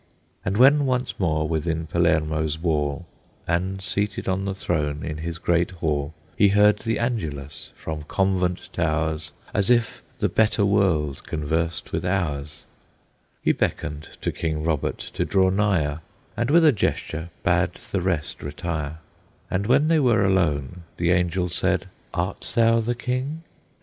And when once more within Palermo's wall, And, seated on the throne in his great hall, He heard the Angelus from convent towers, As if the better world conversed with ours, He beckoned to King Robert to draw nigher, And with a gesture bade the rest retire; And when they were alone, the Angel said, "Art thou the King?"